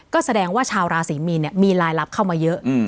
ก็แสดงว่าชาวราศรีมีนมีรายลับเข้ามาเยอะ